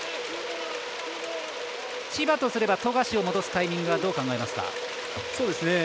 千葉とすれば富樫を戻すタイミングはどう考えますか？